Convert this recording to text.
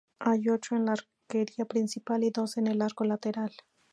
Hay ocho en la arquería principal y dos en el arco lateral.